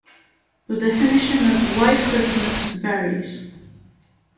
The definition of "White Christmas" varies.